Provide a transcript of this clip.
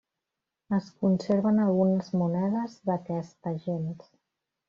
Es conserven algunes monedes d'aquesta gens.